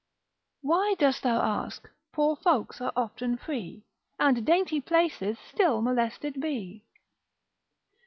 Why dost thou ask, poor folks are often free, And dainty places still molested be?